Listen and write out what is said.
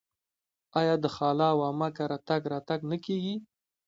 آیا د خاله او عمه کره تګ راتګ نه کیږي؟